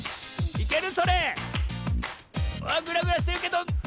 いける？